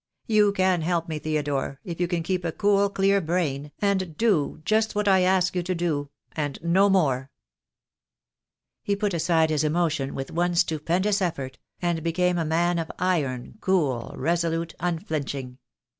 You can help me, Theodore, if you can keep a cool, clear brain, and do just what I ask you to do, and no more." He put aside his emotion with one stupendous effort, and became a man of iron, cool, resolute, unflinching.